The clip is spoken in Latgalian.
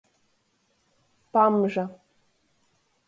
Pamža.